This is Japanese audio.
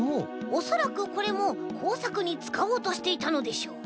おそらくこれもこうさくにつかおうとしていたのでしょう。